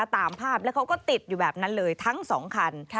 ตามภาพแล้วเขาก็ติดอยู่แบบนั้นเลยทั้ง๒คัน